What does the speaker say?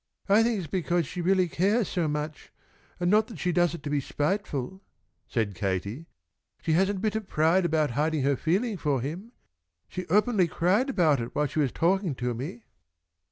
"I think it's because she really cares so much, and not that she does it to be spiteful," said Katie. "She hasn't a bit of pride about hiding her feeling for him. She openly cried about it while she was talking to me."